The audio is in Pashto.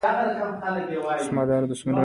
د خربوزې ټوټې کول هنر غواړي.